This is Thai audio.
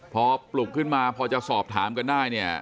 พอปลุกขึ้นมาพอจะสอบถามกันได้เนี่ย